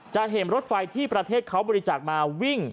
จะเห็นรถไฟที่ประเทศเขาบริจาคมาวิ่ง